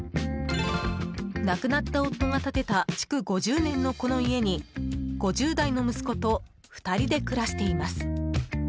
亡くなった夫が建てた築５０年のこの家に５０代の息子と２人で暮らしています。